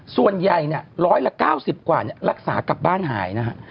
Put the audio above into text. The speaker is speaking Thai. ส่วนใหญ่เนี่ยร้อยละ๙๐กว่าเนี่ยรักษากลับบ้านหายนะครับ